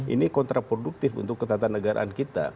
ini kontraproduktif untuk ketatanegaraan kita